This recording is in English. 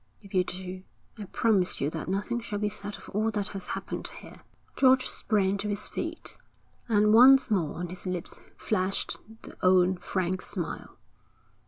If you do, I promise you that nothing shall be said of all that has happened here.' George sprang to his feet, and once more on his lips flashed the old, frank smile.